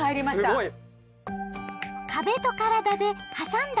すごい。